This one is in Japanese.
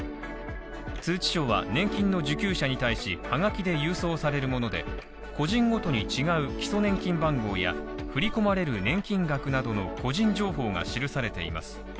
通知書は、年金の受給者に対し、はがきで郵送されるもので、個人ごとに違う基礎年金番号や振り込まれる年金額などの個人情報が記されています。